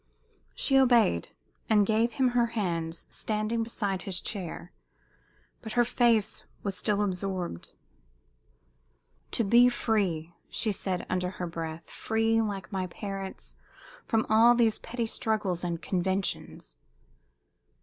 She obeyed, and gave him her hands, standing beside his chair. But her face was still absorbed. "To be free," she said, under her breath "free, like my parents, from all these petty struggles and conventions!"